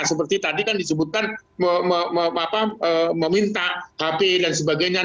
seperti tadi kan disebutkan meminta hp dan sebagainya